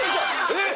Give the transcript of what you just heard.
えっ！